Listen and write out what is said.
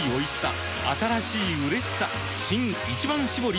新「一番搾り」